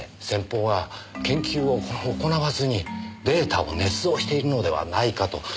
先方が研究を行わずにデータを捏造しているのではないかと。